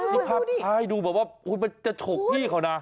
คนพาขทายดูว่ามันจะตกชกพี่เขาน่ะ